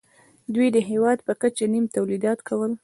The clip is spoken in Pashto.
دوی د هېواد په کچه نیم تولیدات کول